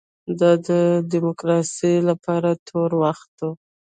دا د ډیموکراسۍ لپاره تور وخت و.